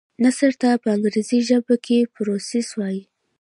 نثر ته په انګريزي ژبه کي Prose وايي.